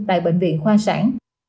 tại bệnh viện khoa sản